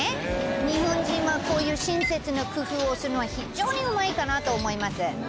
日本人はこういう親切な工夫をするのは非常にうまいかなと思います。